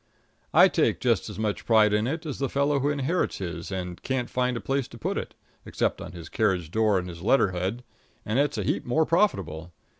I take just as much pride in it as the fellow who inherits his and can't find any place to put it, except on his carriage door and his letter head and it's a heap more profitable.